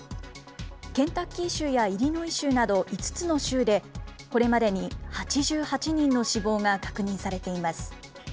ケンタッキー州やイリノイ州など５つの州で、これまでに８８人の死亡が確認されています。